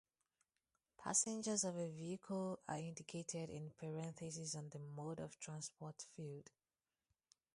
Passengers of a vehicle are indicated in parentheses on the "mode of transport" field.